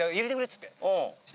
つってた。